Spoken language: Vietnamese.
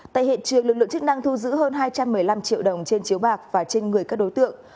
tại hiện trường lực lượng chức năng thu giữ hơn hai trăm một mươi năm triệu đồng trên chiếu bạc và trên người các đối tượng